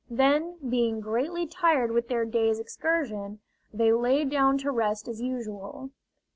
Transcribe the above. Then, being greatly tired with their day's excursion, they lay down to rest as usual.